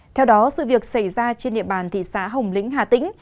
theo đó sự việc xảy ra trên địa bàn thị xã hồng lĩnh hà tĩnh